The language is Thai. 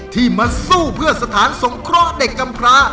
ที่มาสู้เพื่อสถานสงเคราะห์เด็กกำพระ